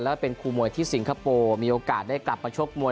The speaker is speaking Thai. แล้วก็เป็นครูมวยที่สิงคโปร์มีโอกาสได้กลับมาชกมวย